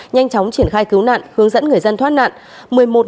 nhanh chóng triển khai cứu nạn hướng dẫn người dân thoát nạn